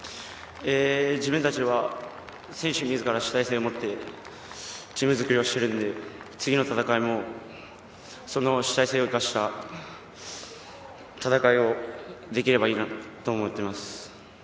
自分たちは選手自ら主体性を持ってチーム作りをしているので、次の戦いもその主体性を生かした戦いができればいいなと思っています。